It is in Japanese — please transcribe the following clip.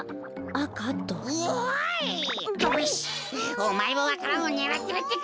おまえもわか蘭をねらってるってか？